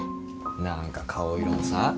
何か顔色もさ。